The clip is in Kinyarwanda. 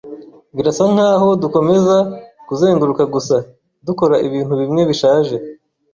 Birasa nkaho dukomeza kuzenguruka gusa, dukora ibintu bimwe bishaje.